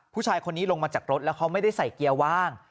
ผู้ชายคนนี้ลงมาจากรถแล้วเขาไม่ได้ใส่เกียร์ว่าง